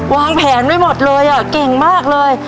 วางแผนไว้หมดเลยอ่ะเก่งมากเลย